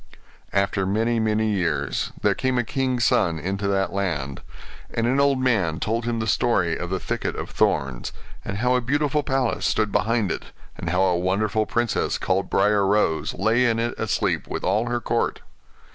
After many, many years there came a king's son into that land: and an old man told him the story of the thicket of thorns; and how a beautiful palace stood behind it, and how a wonderful princess, called Briar Rose, lay in it asleep, with all her court.